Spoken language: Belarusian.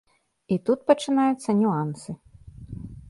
І тут пачынаюцца нюансы.